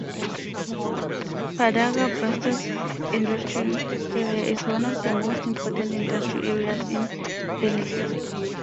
Padang Besar's industry area is one of the most important industry areas in Perlis.